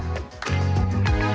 masukkan air panas